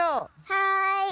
はい。